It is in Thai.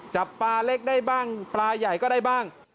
จับปลาเล็กได้บ้างปลาใหญ่ก็ได้บ้าง